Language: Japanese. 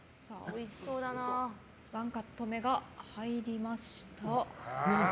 ワンカット目が入りました。